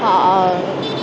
quá dưỡng cảm